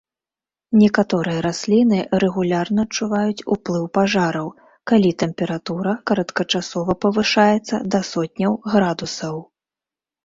Некаторыя расліны рэгулярна адчуваюць уплыў пажараў, калі тэмпература кароткачасова павышаецца да сотняў градусаў.